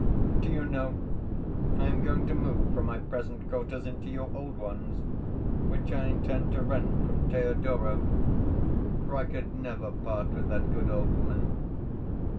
Do you know, I am going to move from my present quarters into your old ones, which I intend to rent from Thedora; for I could never part with that good old woman.